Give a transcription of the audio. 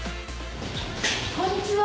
こんにちは。